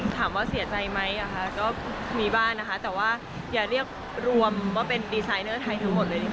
ถามว่าเสียใจไหมก็มีบ้างนะคะแต่ว่าอย่าเรียกรวมว่าเป็นดีไซเนอร์ไทยทั้งหมดเลย